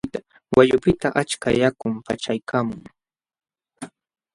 Wayqupiqta achka yakum paqchaykaamun.